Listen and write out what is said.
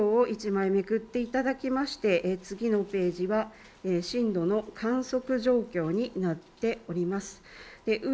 資料を１枚めくっていただきまして次のページは震度の観測状況になっております。